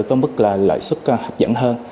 có mức lợi xuất hấp dẫn hơn